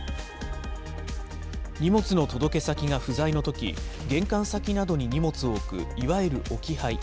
荷物の届け先が不在のとき、玄関先などに荷物を置く、いわゆる置き配。